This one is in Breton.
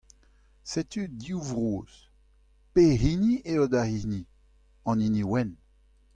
Setu div vrozh. Pehini eo da hini ? An hini wenn.